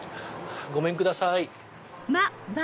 ごめんください。